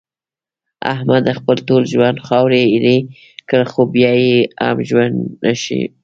احمد خپل ټول ژوند خاورې ایرې کړ، خو بیا یې هم ژوند ښه نشو.